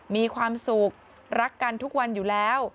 มีความสุขรักกันทุกวันอยู่แล้ว